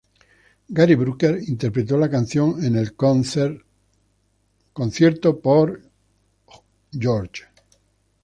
Gary Brooker interpretó la canción en el Concert for George.